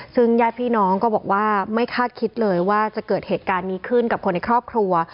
ซึ่งญาติพี่น้องก็บอกว่าไม่คาดคิดเลยว่าจะเกิดเหตุการณ์นี้ขึ้นกับคนในครอบครัว